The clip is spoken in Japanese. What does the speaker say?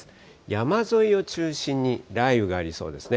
山沿いを中心に雷雨がありそうですね。